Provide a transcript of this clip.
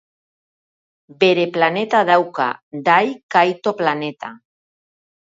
Bere planeta dauka, Dai Kaito planeta.